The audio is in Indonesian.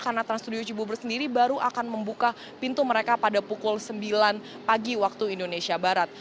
karena trans studio cibubur sendiri baru akan membuka pintu mereka pada pukul sembilan pagi waktu indonesia barat